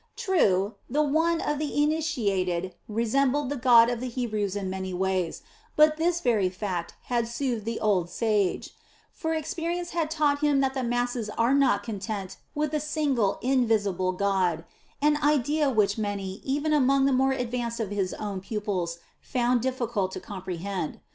True, the "One" of the initiated resembled the God of the Hebrews in many things, but this very fact had soothed the old sage; for experience had taught him that the masses are not content with a single invisible God, an idea which many, even among the more advanced of his own pupils found difficult to comprehend.